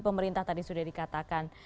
pemerintah tadi sudah dikatakan